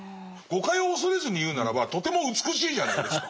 誤解を恐れずに言うならばとても美しいじゃないですか。